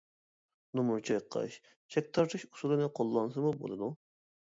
نومۇر چايقاش، چەك تارتىش ئۇسۇلىنى قوللانسىمۇ بولىدۇ.